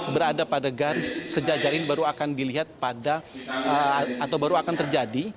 berada pada garis sejajar ini baru akan dilihat pada atau baru akan terjadi